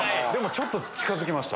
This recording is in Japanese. ちょっと近づきました。